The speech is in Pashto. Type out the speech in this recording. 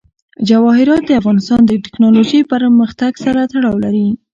جواهرات د افغانستان د تکنالوژۍ پرمختګ سره تړاو لري.